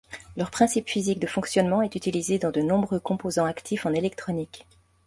Leur principe physique de fonctionnement est utilisé dans de nombreux composants actifs en électronique.